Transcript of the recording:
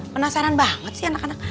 penasaran banget sih anak anak